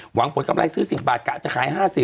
หวังผลกำไรซื้อ๑๐บาทกะจะขาย๕๐